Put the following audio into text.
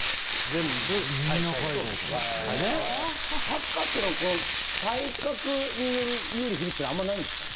サッカーっていうのは体格による有利不利っていうのはあんまりないんですか？